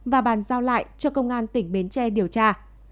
và bàn giao lại cho công an tỉnh bến tre điều tra